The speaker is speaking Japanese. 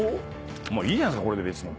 いいじゃないですかこれで別に。